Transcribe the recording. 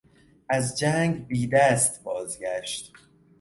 از جنگ بی دست بازگشت.